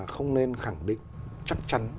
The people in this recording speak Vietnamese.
không nên khẳng định chắc chắn